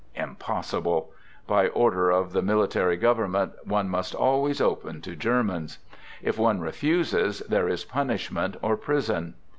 Impossible. By order of the mili tary government, one must always open to Ger mans. If one refuses, there is punishment or prison.